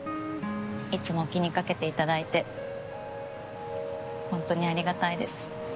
いつも気にかけていただいてほんとにありがたいです。